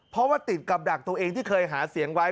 เพราะว่าติดกับดักตัวเองที่เคยหาเสียงไว้